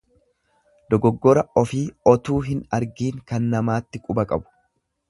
Dogoggora ofii otuu hin argiin kan namaatti quba qabu.